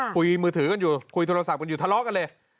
คุยมือถือกันอยู่คุยโทรศัพท์กันอยู่ทะเลาะกันเลย